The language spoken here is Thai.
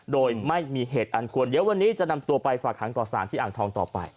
โดยไม่มีเหตุอันควรเดี๋ยววันนี้จะนำตัวไปฝากหางต่อสารที่อ่างทองต่อไป